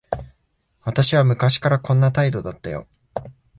私は昔からこんな態度だったよ。